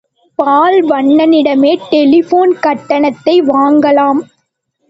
பால்வண்ணனிடமே telephone கட்டணத்தை வாங்கலாம்.